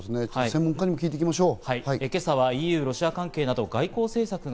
専門家にも聞いていきましょう。